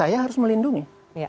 saya harus melindungi